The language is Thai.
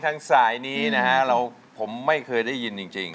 สิ่งที่สุดท้ายมาแท้